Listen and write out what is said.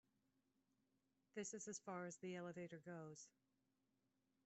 This is as far as the elevator goes.